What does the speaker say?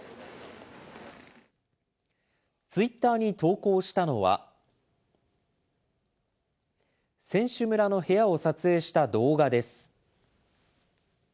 ツイッターに投稿したのは、選手村の部屋を撮影した動画です。